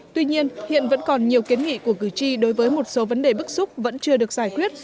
tuy nhiên hiện vẫn còn nhiều kiến nghị của cử tri đối với một số vấn đề bức xúc vẫn chưa được giải quyết